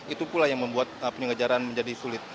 itu pula yang membuat pengejaran menjadi sulit